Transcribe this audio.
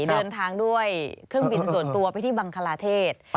เดินทางด้วยเครื่องบินส่วนตัวไปที่บังคลาเทศ